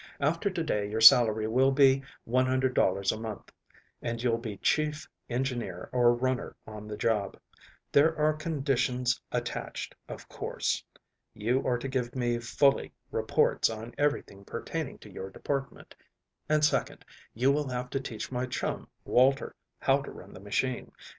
After to day your salary will be $100 a month, and you'll be chief engineer or runner on the job. There are conditions attached, of course. You are to give me fully reports on everything pertaining to your department; and, second, you will have to teach my chum, Walter, how to run the machine.